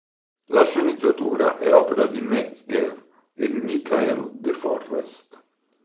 La sceneggiatura è opera di Metzger e Michael DeForrest.